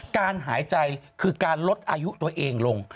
การหายใจคือการลดอายุตัวเองลง